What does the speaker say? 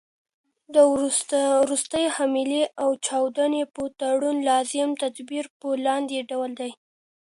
د تروریستي حملې او چاودني په تړاو لازم تدابیر په لاندي ډول دي.